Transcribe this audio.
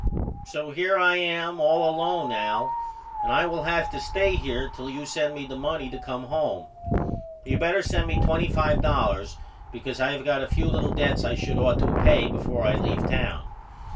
So here I am all alone Al and I will have to stay here till you send me the money to come home. You better send me $25 because I have got a few little debts I should ought to pay before I leave town.